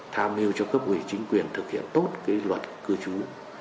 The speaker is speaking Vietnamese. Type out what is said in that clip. tham hiệu cho cấp quỷ chính quyền thực hiện tốt luật cư trú